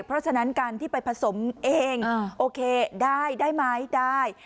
เพราะฉะนั้นการที่ไปผสมเองโอเคได้ได้ไหมได้